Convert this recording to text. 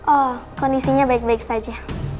oh kondisinya baik baik saja